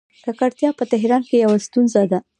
ککړتیا په تهران کې یوه ستونزه ده.